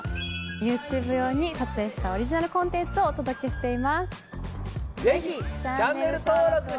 ＹｏｕＴｕｂｅ用に撮影したオリジナルコンテンツをお届けしています。